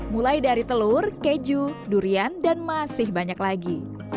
mulai dari telur keju durian dan masih banyak lagi